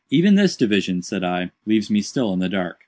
'" "Even this division," said I, "leaves me still in the dark."